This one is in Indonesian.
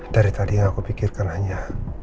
dari tadi yang aku pikirkan hanya